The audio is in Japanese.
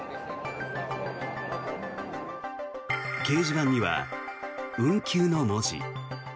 掲示板には運休の文字。